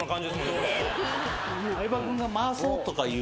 相葉君が回そうとかいう